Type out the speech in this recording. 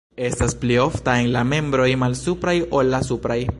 Estas pli ofta en la membroj malsupraj ol la supraj.